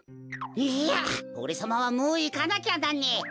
いやおれさまはもういかなきゃなんねえ。